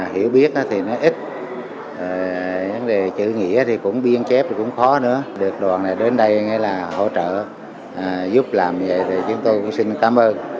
hiểu biết thì nó ít vấn đề chữ nghĩa thì cũng biên chép thì cũng khó nữa được đoàn này đến đây là hỗ trợ giúp làm vậy thì chúng tôi cũng xin cảm ơn